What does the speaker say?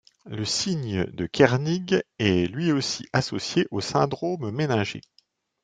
Le signe de Kernig est lui aussi associé au syndrome méningé.